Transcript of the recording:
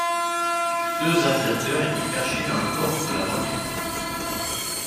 Deux aviateurs étaient cachés dans le coffre de la voiture.